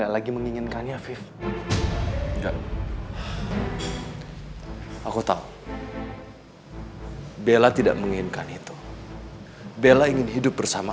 lagi menginginkannya afif enggak aku tahu bella tidak menginginkan itu bella ingin hidup bersama